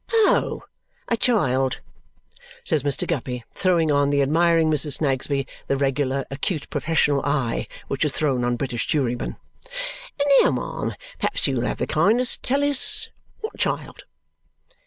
"Oh! A child!" says Mr. Guppy, throwing on the admiring Mrs. Snagsby the regular acute professional eye which is thrown on British jurymen. "Now, ma'am, perhaps you'll have the kindness to tell us WHAT child."